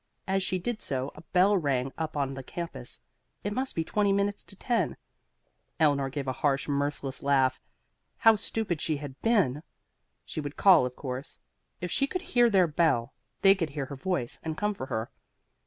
As she did so, a bell rang up on the campus. It must be twenty minutes to ten. Eleanor gave a harsh, mirthless laugh. How stupid she had been! She would call, of course. If she could hear their bell, they could hear her voice and come for her.